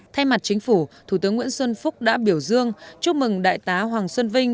thay mặt chính phủ thủ tướng nguyễn xuân phúc đã biểu dương chúc mừng đại tá hoàng xuân vinh